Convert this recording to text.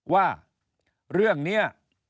ว่าเรื่องนี้